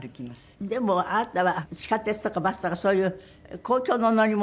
でもあなたは地下鉄とかバスとかそういう公共の乗り物